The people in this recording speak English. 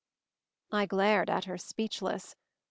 I glared at her, speechless.